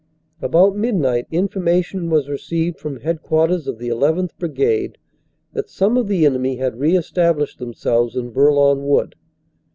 About midnight information was received from head quarters of the llth. Brigade that some of the enemy had re established themselves in Bourlon Wood.